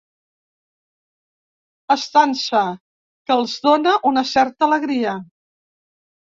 Estança que els dóna una certa alegria.